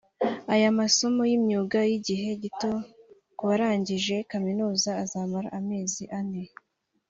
Aya masomo y’imyuga y’igihe gito ku barangije Kaminuza azamara amezi ane